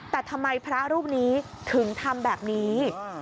แต่ทำไมพระรูปนี้ถึงทำแบบนี้